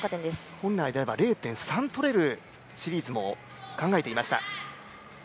本来であれば０．３とれるシリーズも考えていました。